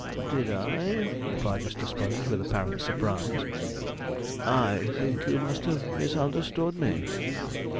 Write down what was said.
'Did I?' replied Mr. Sponge, with apparent surprise; 'I think you must have misunderstood me.'